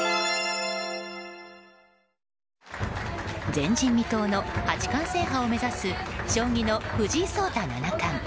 前人未到の八冠制覇を目指す将棋の藤井聡太七冠。